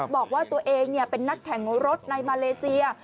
บอกว่าตัวเองเป็นนักแข่งรถในมาเลเซีย